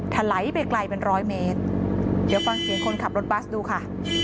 ถลายไปไกลเป็นร้อยเมตรเดี๋ยวฟังเสียงคนขับรถบัสดูค่ะ